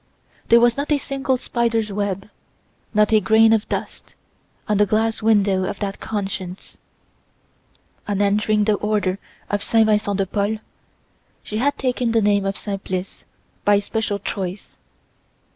There was not a single spider's web, not a grain of dust, on the glass window of that conscience. On entering the order of Saint Vincent de Paul, she had taken the name of Simplice by special choice.